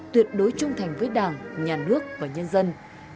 tuyệt đối trung thành với đảng nhà nước và nhân dân